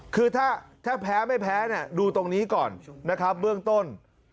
คือถ้าแพ้ไม่แพ้ดูตรงนี้ก่อนนะครับเบื้องต้น